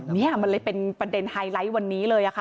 นี่มันเลยเป็นประเด็นไฮไลท์วันนี้เลยค่ะ